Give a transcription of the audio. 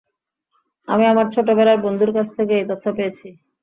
আমি আমার ছোটবেলার বন্ধুর কাছ থেকে এই তথ্য পেয়েছি।